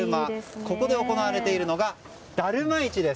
ここで行われているのがだるま市です。